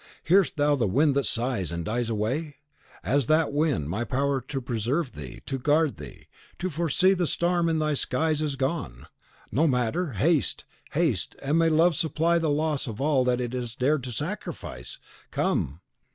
"Hearest thou the wind that sighs, and dies away? As that wind, my power to preserve thee, to guard thee, to foresee the storm in thy skies, is gone. No matter. Haste, haste; and may love supply the loss of all that it has dared to sacrifice! Come."